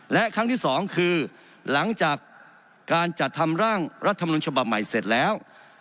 และครั้งที่สองคือหลังจากการจัดทำร่างรัฐมนุนฉบับใหม่เสร็จแล้ว